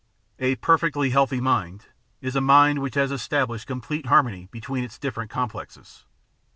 A perfectly healthy mind is a mind which has established complete harmony between its different complexes.